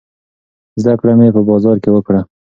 زده کړه مې په بازار کې وکړه.